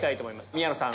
宮野さん